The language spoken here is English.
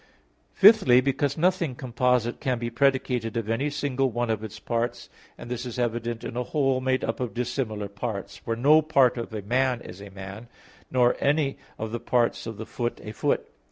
Fifthly, because nothing composite can be predicated of any single one of its parts. And this is evident in a whole made up of dissimilar parts; for no part of a man is a man, nor any of the parts of the foot, a foot.